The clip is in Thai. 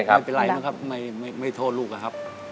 ไม่เป็นไรมั้งครับไม่โทษลูกอะครับ